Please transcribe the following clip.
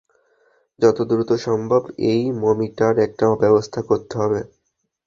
যত দ্রুত সম্ভব এই মমিটার একটা ব্যবস্থা করতে হবে!